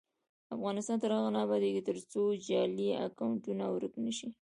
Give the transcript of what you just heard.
افغانستان تر هغو نه ابادیږي، ترڅو جعلي اکونټونه ورک نشي.